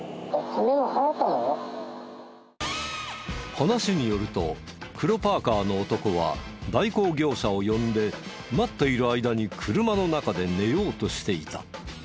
話によると黒パーカーの男は代行業者を呼んで待っている間に車の中で寝ようとしていた。